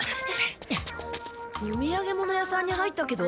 おみやげ物屋さんに入ったけど？